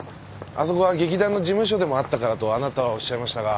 あそこは劇団の事務所でもあったからとあなたはおっしゃいましたが。